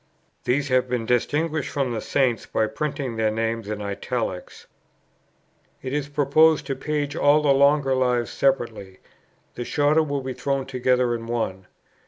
These have been distinguished from the Saints by printing their names in italics. It is proposed to page all the longer Lives separately; the shorter will be thrown together in one.